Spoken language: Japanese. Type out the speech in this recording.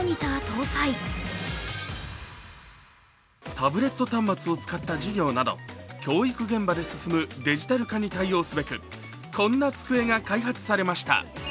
タブレット端末を使った授業など教育現場で進むデジタル化に対応すべくこんな机が開発されました。